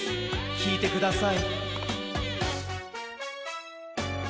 きいてください。